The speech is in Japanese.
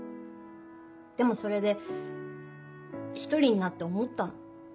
でもそれで一人になって思ったの。